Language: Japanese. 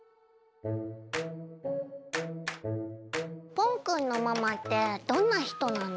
ぽんくんのママってどんな人なの？